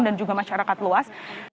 dan juga masyarakat luas